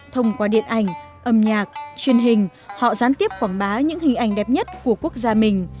thông qua điện ảnh âm nhạc truyền hình họ gián tiếp quảng bá những hình ảnh đẹp nhất của quốc gia mình